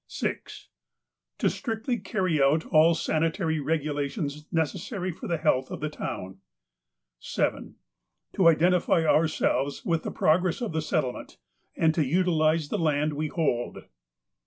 300 THE APOSTLE OF ALASKA "6. To strictly carry out all sanitary regulations necessary for the health of the town. " 7. To identify ourselves with the progress of the settle ment, and to utilize the land we hold.